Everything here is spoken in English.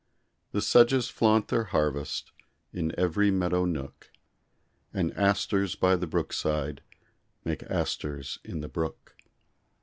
The sedges flaunt their harvest, In every meadow nook; And asters by the brook side Make asters in the brook.